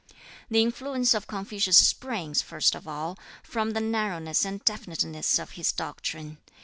The influence of Confucius springs, first of all, from the narrowness and definiteness of his doctrine.